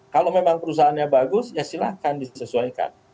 kalau memang perusahaannya bagus ya silahkan disesuaikan